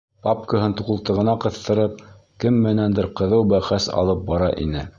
Папкаһын ҡултығына ҡыҫтырып, кем менәндер ҡыҙыу бәхәс алып бара ине.